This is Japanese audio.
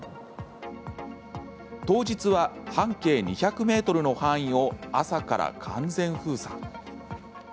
当日は、半径２００ｍの範囲を朝から完全封鎖。